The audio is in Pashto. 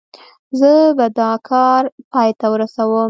زه به دا کار پای ته ورسوم.